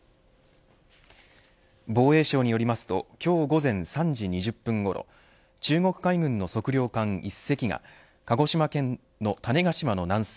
防衛省によりますと今日午前３時２０分ごろ中国海軍の測量艦１隻が鹿児島県の種子島の南西